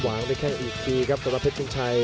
ด้วยแข้งอีกทีครับสำหรับเพชรชิงชัย